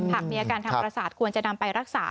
หากมีอาการทางประสาทควรจะนำไปรักษา